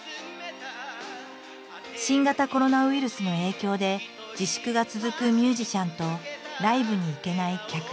新型コロナウイルスの影響で自粛が続くミュージシャンとライブに行けない客。